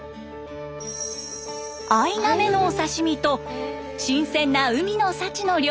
アイナメのお刺身と新鮮な海の幸の料理です。